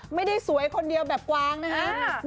ไม่ได้สวยคนเดียวแบบกวางนะฮะ